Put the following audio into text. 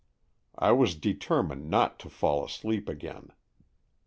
I was determined not to fall asleep again.